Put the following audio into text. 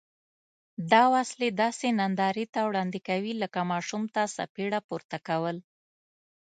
دا وسلې داسې نندارې ته وړاندې کوي لکه ماشوم ته څپېړه پورته کول.